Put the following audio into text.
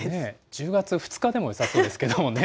１０月２日でもよさそうですけどもね。